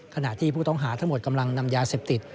ขณะที่ผู้ต้องหาทั้งหมดกำลังนำยาเสพติด